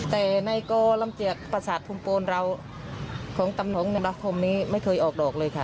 แต่ในกรลำเจียกประสาทพุมโปนเราของตำหนงในรพรมนี้ไม่เคยออกดอกเลยค่ะ